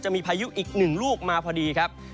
มีพายุอีกหนึ่งลูกมาพอดีครับ